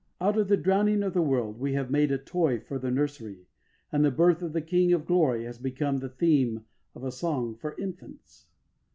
Out of the drowning of the world we have made a toy for the nursery, and the birth of the King of Glory has become the theme of a song for infants.